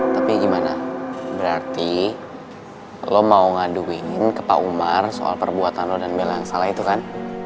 tapi gimana berarti lo mau ngaduin ke pak umar soal perbuatan lo dan bilang salah itu kan